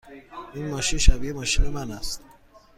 این ماشین شبیه ماشین من است.